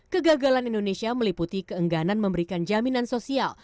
kegagalan indonesia meliputi keengganan memberikan jaminan sosial